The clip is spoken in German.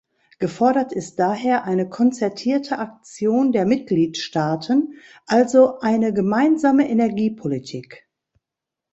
Gefordert ist daher eine konzertierte Aktion der Mitgliedstaaten, also eine gemeinsame Energiepolitik.